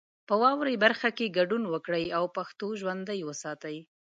په واورئ برخه کې ګډون وکړئ او پښتو ژوندۍ وساتئ.